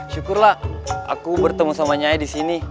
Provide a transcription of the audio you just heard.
syukurlah aku bertemu sama nyaya di sini